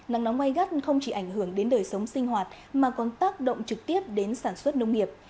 nắng nóng gai gắt không chỉ ảnh hưởng đến đời sống sinh hoạt mà còn tác động trực tiếp đến sản xuất nông nghiệp